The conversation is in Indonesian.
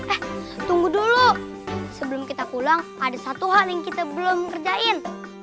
eh tunggu dulu sebelum kita pulang ada satu hal yang kita belum kerjain